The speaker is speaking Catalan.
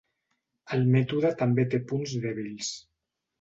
El mètode també té punts dèbils.